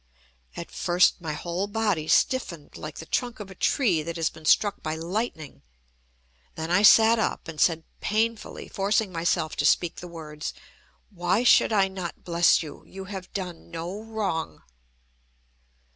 At first my whole body stiffened like the trunk of a tree that has been struck by lightning. Then I sat up, and said, painfully, forcing myself to speak the words: "Why should I not bless you? You have done no wrong."